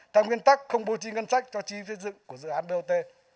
theo nguyên tắc không bôi trì ngân sách cho chi phí dựng của dự án bot